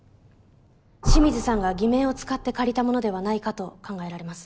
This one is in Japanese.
清水さんが偽名を使って借りたものではないかと考えられます。